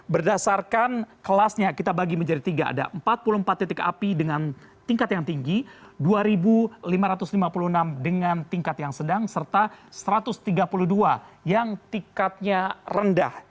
berdasarkan kelasnya kita bagi menjadi tiga ada empat puluh empat titik api dengan tingkat yang tinggi dua lima ratus lima puluh enam dengan tingkat yang sedang serta satu ratus tiga puluh dua yang tingkatnya rendah